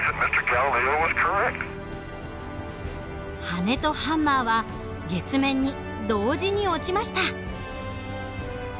羽とハンマーは月面に同時に落ちました。